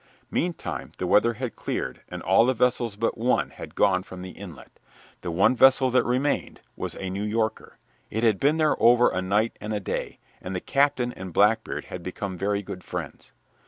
Meantime the weather had cleared, and all the vessels but one had gone from the inlet. The one vessel that remained was a New Yorker. It had been there over a night and a day, and the captain and Blackbeard had become very good friends.